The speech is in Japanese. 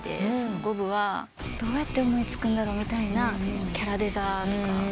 ５部はどうやって思い付くんだろうみたいなキャラデザとか。